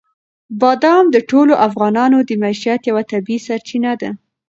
بادام د ټولو افغانانو د معیشت یوه طبیعي سرچینه ده.